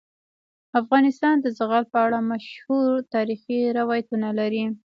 افغانستان د زغال په اړه مشهور تاریخی روایتونه لري.